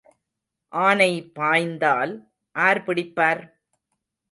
ஆனை பாய்ந்தால் ஆர் பிடிப்பார்?